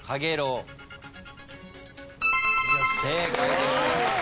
正解でございます。